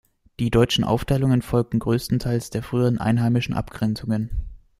Die deutschen Aufteilungen folgten größtenteils den früheren einheimischen Abgrenzungen.